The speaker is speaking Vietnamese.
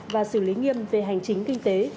và xử lý nghiêm về hành chính kinh tế